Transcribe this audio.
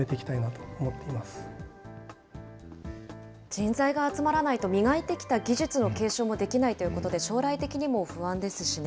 人材が集まらないと、磨いてきた技術の継承もできないということで、将来的にも不安ですしね。